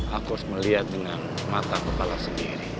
aku harus melihat dengan mata kepala sendiri